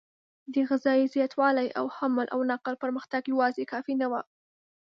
د غذایي زیاتوالي او حمل او نقل پرمختګ یواځې کافي نه و.